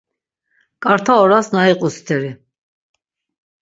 Ǩarta oras na iqu steri.